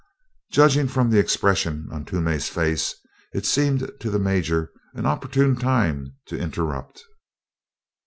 Judging from the expression on Toomey's face, it seemed to the Major an opportune time to interrupt.